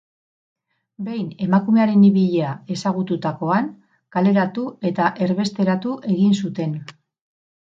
Behin emakumearen ibilia ezagututakoan, kaleratu eta erbesteratu egin zuten.